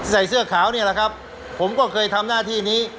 ใส่เสื้อขาวผมก็เคยทำหน้าที่นี้